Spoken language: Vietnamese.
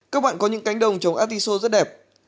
các bạn có những cánh đồng trồng artiso rất đẹp